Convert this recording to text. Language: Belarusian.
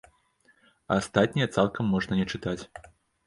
А астатняе цалкам можна не чытаць.